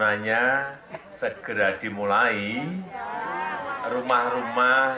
dan yang akan dikembangkan